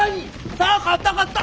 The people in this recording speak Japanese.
さ買った買った！